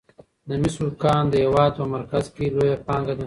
د مسو کان د هیواد په مرکز کې لویه پانګه ده.